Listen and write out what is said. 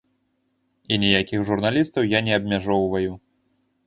І ніякіх журналістаў я не абмяжоўваю!